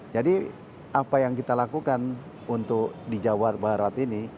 jadi apa yang kita lakukan untuk di jawa barat ini